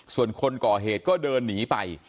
ส่วนคนก่อเหตุก็เดินหนีไป